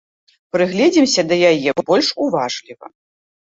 Прыгледзімся да яе больш уважліва.